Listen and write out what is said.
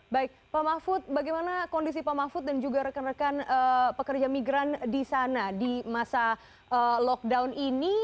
baik pak mahfud bagaimana kondisi pak mahfud dan juga rekan rekan pekerja migran di sana di masa lockdown ini